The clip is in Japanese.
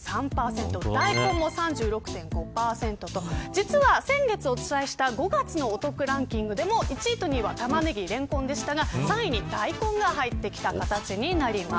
実は先月お伝えした５月のお得ランキングでも１位と２位はタマネギ、レンコンでしたが３位にダイコンが入ってきた形です。